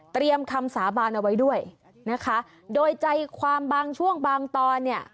คำสาบานเอาไว้ด้วยนะคะโดยใจความบางช่วงบางตอนเนี่ย